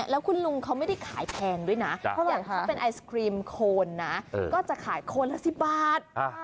แล้วคุณลุงเขาไม่ได้ขายแพงด้วยนะเพราะอย่างถ้าเป็นไอศครีมโคนนะก็จะขายโคนละ๑๐บาท